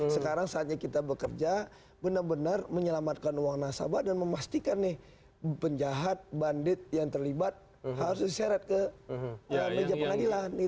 sekarang saatnya kita bekerja benar benar menyelamatkan uang nasabah dan memastikan nih penjahat bandit yang terlibat harus diseret ke meja pengadilan